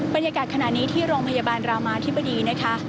บรรยากาศขณะนี้ที่โรงพยาบาลรามาธิบดีนะคะ